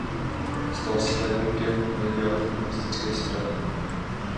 Stal se tajemníkem ilegální komunistické strany.